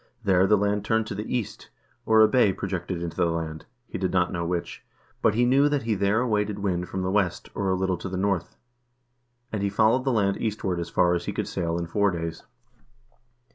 There the land turned to the east,2 or a bay projected into the land, he did not know which, but he knew that he there awaited wind from the west, or a little to the north, and he followed the land eastward as far as he could sail in four days.